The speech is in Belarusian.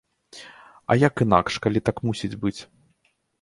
А як інакш, калі так мусіць быць!